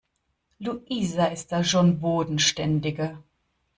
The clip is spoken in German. Luisa ist da schon bodenständiger.